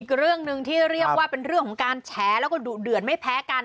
อีกเรื่องหนึ่งที่เรียกว่าเป็นเรื่องของการแฉแล้วก็ดุเดือดไม่แพ้กัน